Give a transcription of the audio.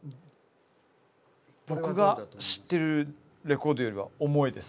僕が知ってるレコードよりは重いです。